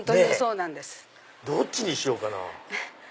どっちにしようかなぁ。